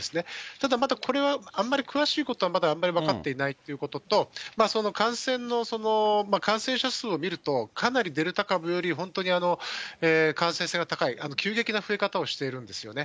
ただ、まだこれは、あんまり詳しいことはまだあんまり分かっていないということと、その感染の感染者数を見ると、かなりデルタ株より本当に感染性が高い、急激な増え方をしているんですよね。